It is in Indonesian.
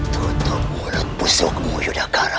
tutup mulut pusukmu yudhagara